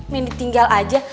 menit tinggal aja